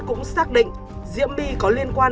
cũng xác định diễm my có liên quan